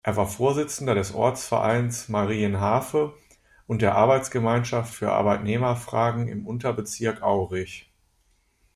Er war Vorsitzender des Ortsvereins Marienhafe und der Arbeitsgemeinschaft für Arbeitnehmerfragen im Unterbezirk Aurich.